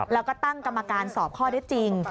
แล้วก็ตั้งกรรมการสอบข้อได้จริง